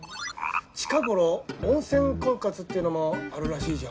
近頃温泉婚活っていうのもあるらしいじゃん。